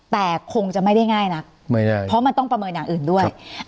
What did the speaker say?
แต่คงจะไม่ได้ง่ายนักไม่ได้เพราะมันต้องประเมินอย่างอื่นด้วย